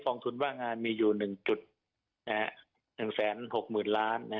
กองทุนว่างงานมีอยู่หนึ่งจุดแหงหนึ่งแสนหกหมื่นล้านนะฮะ